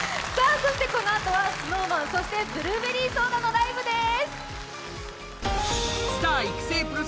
そしてこのあとはＳｎｏｗＭａｎ、そしてブルーベリーソーダのライブです。